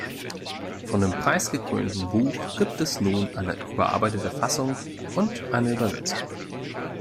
Von dem preisgekrönten Buch gibt es nun eine überarbeitete Fassung und eine Übersetzung.